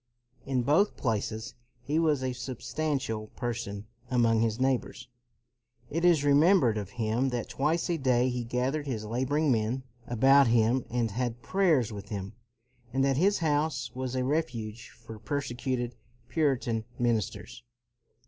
In both places he was a substantial person among his neighbors. It is remembered of him that twice a CROMWELL 239 day he gathered his laboring men about him and had prayers with them; and that his house was a refuge for persecuted Puritan ministers.